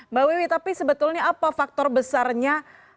mbak wiwi tapi sebetulnya apa faktor besarnya